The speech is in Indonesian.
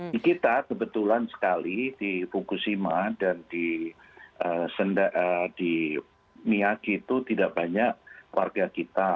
di kita kebetulan sekali di fukushima dan di miyagi itu tidak banyak warga kita